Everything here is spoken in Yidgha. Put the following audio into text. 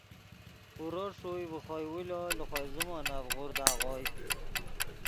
اورو ݰوئے ڤے خوئے اُولو لے خو زیمونف غورد آغوئے